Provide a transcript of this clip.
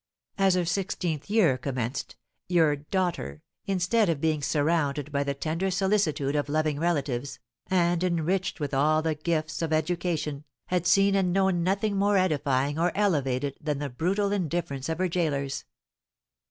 As her sixteenth year commenced, your daughter, instead of being surrounded by the tender solicitude of loving relatives, and enriched with all the gifts of education, had seen and known nothing more edifying or elevated than the brutal indifference of her gaolers.